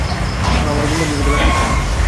তোমরা আমার বন্ধুর বিরুদ্ধে লাগতে চাও?